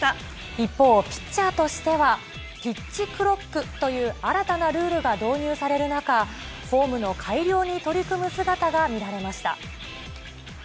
一方、ピッチャーとしてはピッチクロックという新たなルールが導入される中、フォームの改良に取り組む姿が見られました。